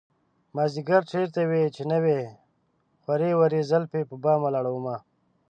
مازديگر چېرته وې چې نه وې خورې ورې زلفې په بام ولاړه ومه